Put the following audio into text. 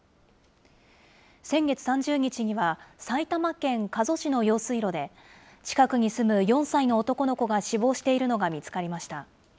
先月３０日には、埼玉県加須市の用水路で、近くに住む４歳の男の子が死亡しているのが見つかりました。